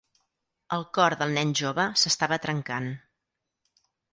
El cor del nen jove s'estava trencant.